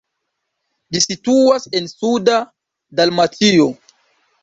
Ĝi situas en suda Dalmatio.